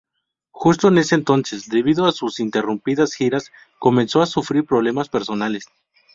Justo en ese entonces, debido a sus ininterrumpidas giras, comenzó a sufrir problemas personales.